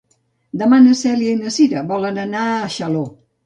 Demà na Cèlia i na Cira volen anar a Xaló.